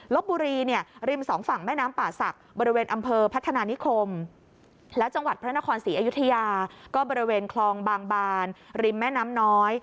บุรีเนี่ยริมสองฝั่งแม่น้ำป่าศักดิ์บริเวณอำเภอพัฒนานิคมแล้วจังหวัดพระนครศรีอยุธยาก็บริเวณคลองบางบานริมแม่น้ำน้อย